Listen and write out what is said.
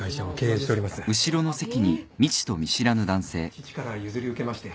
父から譲り受けまして